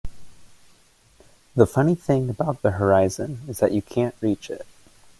The funny thing about the horizon is that you can't reach it.